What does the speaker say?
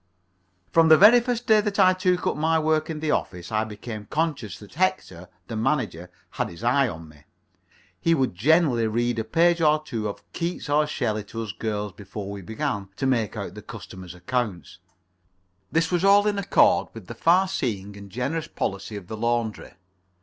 From the very first day that I took up my work in the office I became conscious that Hector, the manager, had his eye upon me. He would generally read a page or two of Keats or Shelley to us girls, before we began to make out the customers' accounts. This was all in accord with the far seeing and generous policy of the laundry.